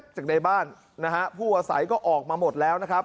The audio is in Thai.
จากในบ้านนะฮะผู้อาศัยก็ออกมาหมดแล้วนะครับ